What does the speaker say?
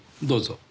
どうぞ。